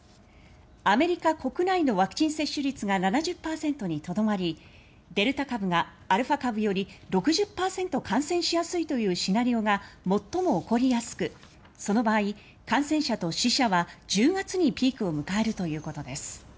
アメリカ国内のワクチン接種率が７０％にとどまりデルタ株がアルファ株より６０％感染しやすいというシナリオが最も起こりやすくその場合、感染者と死者は１０月にピークを迎えるということです。